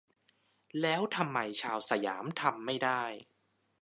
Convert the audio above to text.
แล้วทำไมชาวสยามทำไม่ได้